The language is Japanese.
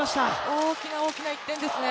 大きな大きな１点ですね。